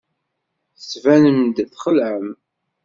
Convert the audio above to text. Tettbanem-d txelɛem.